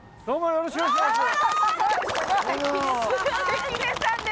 よろしくお願いします。